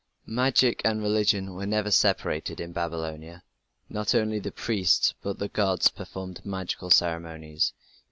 Magic and religion were never separated in Babylonia; not only the priests but also the gods performed magical ceremonies.